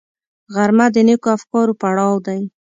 غرمه د نېکو افکارو پړاو دی